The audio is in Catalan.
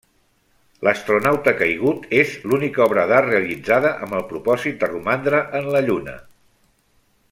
L'astronauta caigut és l'única obra d'art realitzada amb el propòsit de romandre en la Lluna.